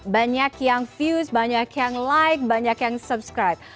banyak yang fuse banyak yang like banyak yang subscribe